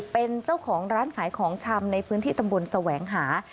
เป็นเจ้าของร้านขายของชำในพื้นที่ตำบลแสวงหา